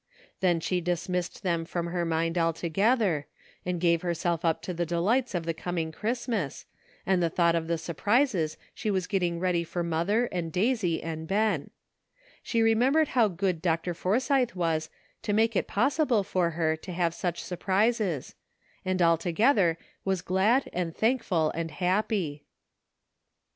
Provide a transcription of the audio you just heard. Then she dis missed them from her mind altogether, and gave herself up to the delights of the coming Christmas, and the thought of the surprises she was getting ready for mother and Daisy and Ben ; she remembered how good Dr. Forsythe was to make it possible for her to have such surprises, and altogether was glad and thank ful and happy.